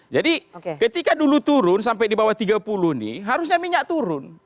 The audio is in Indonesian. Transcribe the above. jadi ketika dulu turun sampai di bawah tiga puluh ini harusnya minyak turun